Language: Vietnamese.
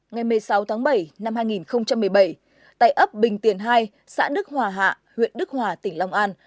ngày một mươi sáu tháng bảy năm hai nghìn một mươi bảy tại ấp bình tiền hai xã đức hòa hạ huyện đức hòa tỉnh long an